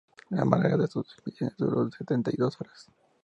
La más larga de estas misiones duró setenta y dos horas.